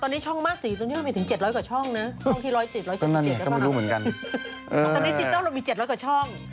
นี่คือคดีเก่านี่คือคดีใหม่